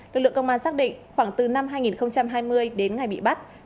lực lượng công an xác định khoảng từ năm hai nghìn hai mươi đến ngày bị bắt